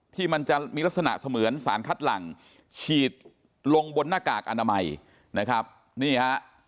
ที่มันจะมีลักษณะเสมือนสารคัดหลังฉีดลงบนหน้ากากอนามัย